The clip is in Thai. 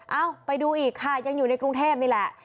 เอ้าไปดูอีกค่ะยังอยู่ในกรุงเทพนี่แหละ